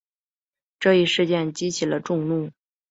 这一事件激起了众怒。